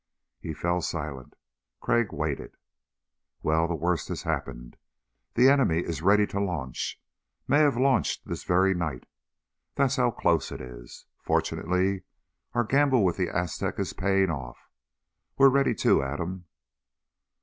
He fell silent. Crag waited. "Well, the worst has happened. The enemy is ready to launch may have launched this very night. That's how close it is. Fortunately our gamble with the Aztec is paying off. We're ready, too, Adam.